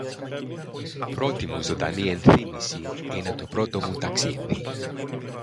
Πρώτη μου ζωντανή ενθύμηση είναι το πρώτο μου ταξίδι